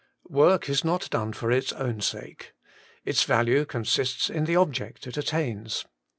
WORK is not done for its own sake. Its value consists in the object it attains.